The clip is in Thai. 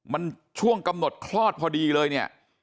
มันช่วงกำหนดคลอดพอดีเลยเนี่ย